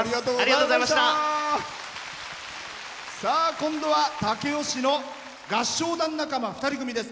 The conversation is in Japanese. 今度は武雄市の合唱団仲間２人組です。